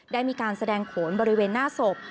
ได้มีการแสดงโขนบริเวณหน้าศพ